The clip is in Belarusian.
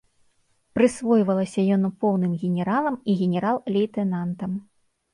Прысвойвалася яно поўным генералам і генерал-лейтэнантам.